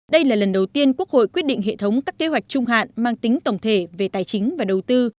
đây là lần đầu tiên quốc hội quyết định hệ thống các kế hoạch trung hạn mang tính tổng thể về tài chính và đầu tư